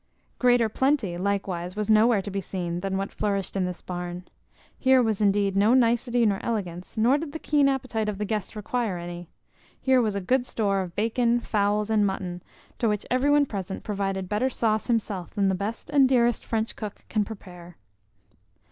Greater plenty, likewise, was nowhere to be seen than what flourished in this barn. Here was indeed no nicety nor elegance, nor did the keen appetite of the guests require any. Here was good store of bacon, fowls, and mutton, to which every one present provided better sauce himself than the best and dearest French cook can prepare.